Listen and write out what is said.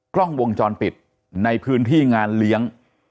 กล้องวงจรปิดในพื้นที่งานเลี้ยง